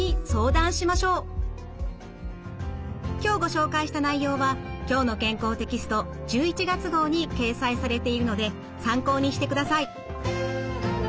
今日ご紹介した内容は「きょうの健康」テキスト１１月号に掲載されているので参考にしてください。